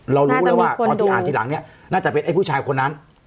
รู้แล้วว่าตอนที่อ่านทีหลังเนี่ยน่าจะเป็นไอ้ผู้ชายคนนั้น